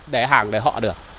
để hàng để họ được